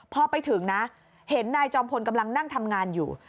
พอไปถึงนะเห็นนายจอมพลกำลังนั่งทำงานอยู่